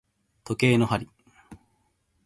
時計の針